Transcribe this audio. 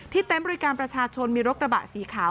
เต็นต์บริการประชาชนมีรถกระบะสีขาว